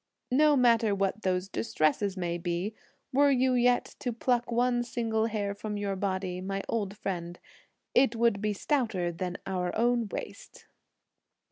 No matter what those distresses may be, were you yet to pluck one single hair from your body, my old friend, it would be stouter than our own waist."